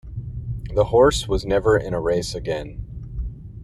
The horse was never in a race again.